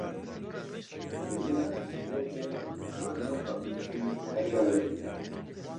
Bi rêya internetê em dikarin xwe bigihînin her deverê.